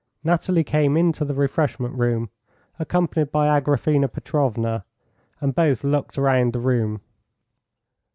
Nathalie came into the refreshment room accompanied by Agraphena Petrovna, and both looked round the room.